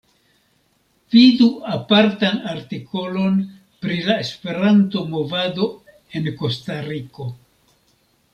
Vidu apartan artikolon pri la Esperanto-movado en Kostariko.